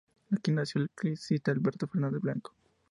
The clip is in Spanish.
Aquí nació el ciclista Alberto Fernández Blanco.